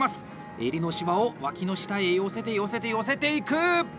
襟のシワを脇の下へ寄せて、寄せて、寄せていく！